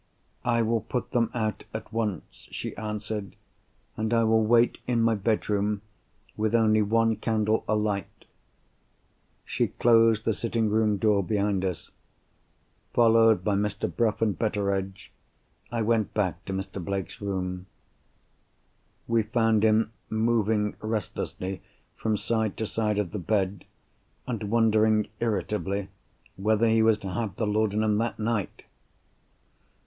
"I will put them out at once," she answered. "And I will wait in my bedroom, with only one candle alight." She closed the sitting room door behind us. Followed by Mr. Bruff and Betteredge, I went back to Mr. Blake's room. We found him moving restlessly from side to side of the bed, and wondering irritably whether he was to have the laudanum that night.